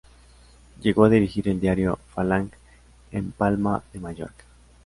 Llegó a dirigir el diario "Falange", en Palma de Mallorca.